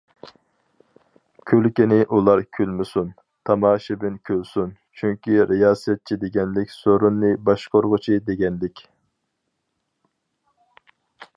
كۈلكىنى ئۇلار كۈلمىسۇن، تاماشىبىن كۈلسۇن، چۈنكى رىياسەتچى دېگەنلىك سورۇننى باشقۇرغۇچى دېگەنلىك.